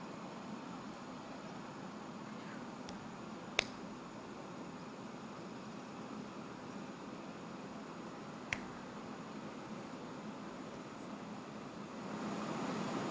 di tahun belonged ke malaysia di dasarnya